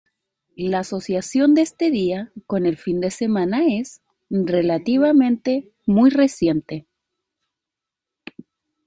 La asociación de este día con el fin de semana es, relativamente, muy reciente.